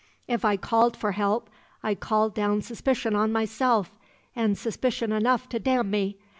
If I called for help I called down suspicion on myself, and suspicion enough to damn me.